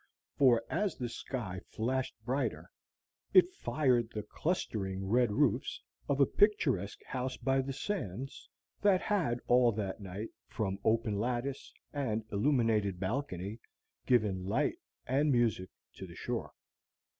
For as the sky flashed brighter it fired the clustering red roofs of a picturesque house by the sands that had all that night, from open lattice and illuminated balcony, given light and music to the shore.